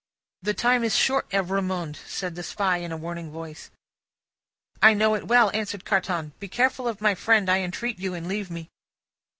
"The time is short, Evrémonde," said the Spy, in a warning voice. "I know it well," answered Carton. "Be careful of my friend, I entreat you, and leave me."